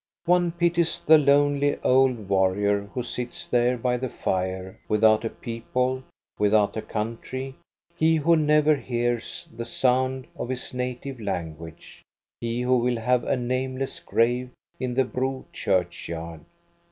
One pities the lonely old warrior who sits there by the fire, without a people, without a country, he who never hears the sound of his native language, he who will have a nameless grave in the Bro churchyard.